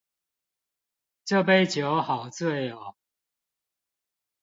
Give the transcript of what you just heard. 這杯酒好醉喔